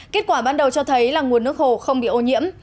kết quả ban đầu cho thấy là nguồn nước hồ không bị ô nhiễm